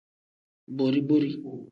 Bori-bori.